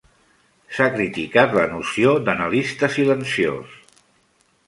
S'ha criticat la noció d'"analista silenciós".